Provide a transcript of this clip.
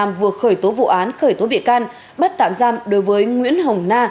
công an vừa khởi tố vụ án khởi tố bị can bắt tạm giam đối với nguyễn hồng na